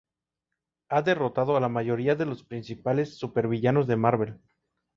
Ha derrotado a la mayoría de los principales super villanos de Marvel.